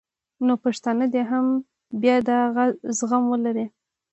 نو پښتانه دې هم بیا دا زغم ولري